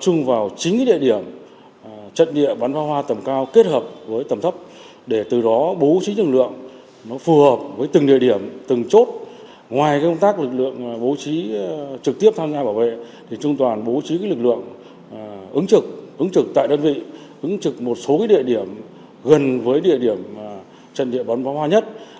trung đoàn bố trí lực lượng ứng trực ứng trực tại đơn vị ứng trực một số địa điểm gần với địa điểm trận địa bắn phá hoa nhất